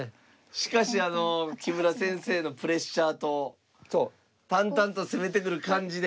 しかしあの木村先生のプレッシャーと淡々と攻めてくる感じで。